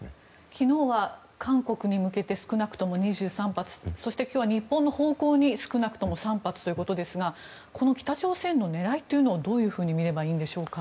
昨日には韓国に向けて少なくとも２３発そして今日は日本の方向に少なくとも３発ということですがこの北朝鮮の狙いというのはどういうふうにみればいいでしょうか？